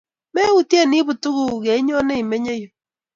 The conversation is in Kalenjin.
Meutye iipun tuguk kuk ye inyone nyeimenye yu